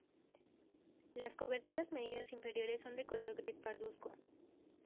Las coberteras medias inferiores son de color gris parduzco.